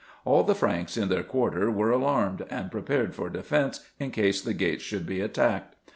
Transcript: All the Franks in their quarter were alarmed, and prepared for defence in case the gates should be attacked.